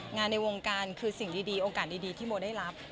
ในวงการคือสิ่งดีโอกาสดีที่โมได้รับ